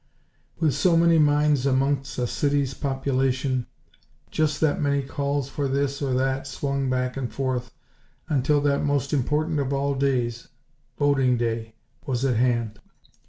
With so many minds amongst a city's population, just that many calls for this or that swung back and forth until that most important of all days, voting day, was at hand.